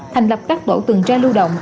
thành lập các tổ tuần tra lưu động